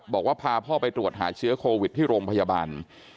บอกว่าพาพ่อไปตรวจหาเชื้อโควิดที่โรงพยาบาล